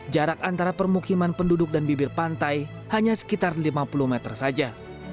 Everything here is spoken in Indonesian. jarak antara permukiman penduduk dan bibir pantai hanya sekitar lima puluh meter saja